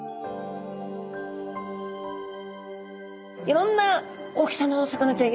いろんな大きさのお魚ちゃん